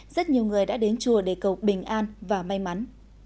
rất nhiều người đã đến chùa để cầu bình an và may mắn